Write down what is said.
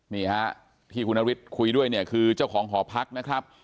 นี่ฮะที่คุณนฤทธิคุยด้วยเนี่ยคือเจ้าของหอพักนะครับ